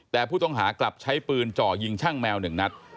แต่ผู้ต้องหากลับใช้ปืนจ่อยิงช่างแมว๑นัด